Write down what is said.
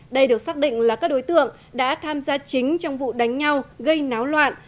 đây được xác định là các đối tượng đã tham gia chính trong vụ đánh nhau gây náo loạn